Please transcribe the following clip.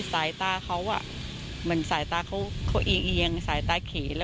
สายตาเขาอ่ะเหมือนสายตาเขาเขาเอียงสายตาเขตแล้ว